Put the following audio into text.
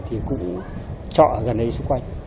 thì cũng trọ ở gần ấy xung quanh